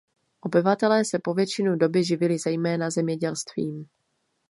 Obyvatelé se po většinu doby živili zejména zemědělstvím.